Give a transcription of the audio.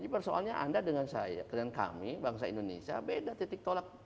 jadi soalnya anda dengan saya dengan kami bangsa indonesia beda titik tolak